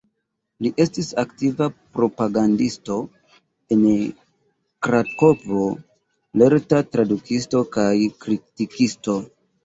Li estis aktiva propagandisto en Krakovo, lerta tradukisto kaj kritikisto.